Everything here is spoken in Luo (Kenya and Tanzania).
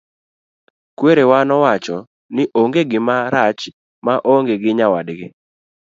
kwarewa nowacho ni onge gimarach ma onge gi nyawadgi